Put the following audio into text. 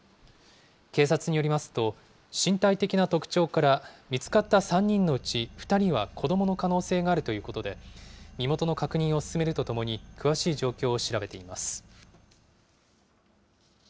警察によりますと、身体的な特徴から、見つかった３人のうち、２人は子どもの可能性があるということで、身元の確認を進めるとともに、詳しい状況を調べています。